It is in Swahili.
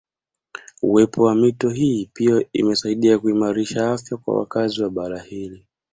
Uwepo wa mito hii pia imesaidia kuimarisha afya kwa wakazi wa bara hili